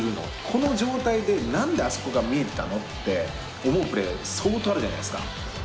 この状態で何であそこが見えてたの？って思うプレー相当あるじゃないですか